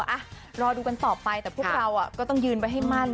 อ่ะรอดูกันต่อไปแต่พวกเราก็ต้องยืนไว้ให้มั่น